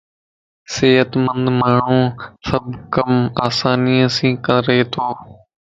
صحتمند ماڻھو سڀ ڪم آسانيءَ سين ڪري تو.